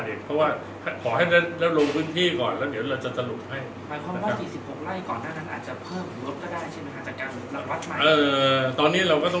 เดี๋ยวต้องทำลงพึ่งที่ก่อนครับกรณีต่อไปได้หรอกต่อไปเดี๋ยวมันจะบิดพลาดครับ